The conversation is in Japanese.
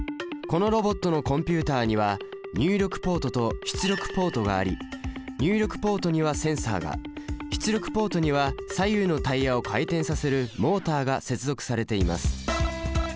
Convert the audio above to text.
このロボットのコンピュータには入力ポートと出力ポートがあり入力ポートにはセンサが出力ポートには左右のタイヤを回転させるモータが接続されています。